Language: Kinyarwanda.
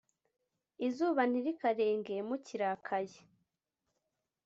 izuba ntirikarenge mukirakaye